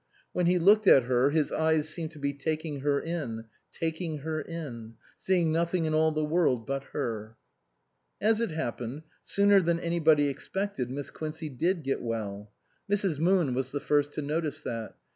When he looked at her his eyes seemed to be taking her in, taking her in, seeing nothing in all the world but her. As it happened, sooner than anybody expected Miss Quincey did get well. Mrs. Moon was the first to notice that.